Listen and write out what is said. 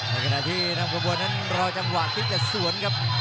ในขณะที่นำขบวนนั้นรอจังหวะคิดแต่สวนครับ